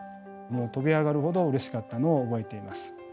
もう跳び上がるほどうれしかったのを覚えています。